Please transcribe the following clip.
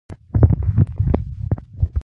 لاس تر زنې شو.